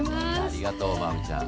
ありがとう真海ちゃん。